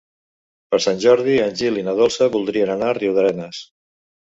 Per Sant Jordi en Gil i na Dolça voldrien anar a Riudarenes.